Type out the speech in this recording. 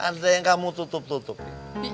ante yang kamu tutup tutupin